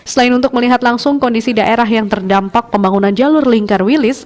selain untuk melihat langsung kondisi daerah yang terdampak pembangunan jalur lingkar wilis